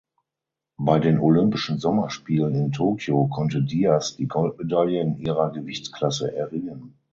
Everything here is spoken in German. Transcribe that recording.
Bei den Olympischen Sommerspielen in Tokio konnte Diaz die Goldmedaille in ihrer Gewichtsklasse erringen.